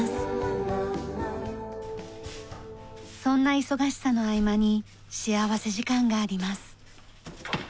そんな忙しさの合間に幸福時間があります。